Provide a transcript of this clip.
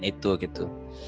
pilihan itu gitu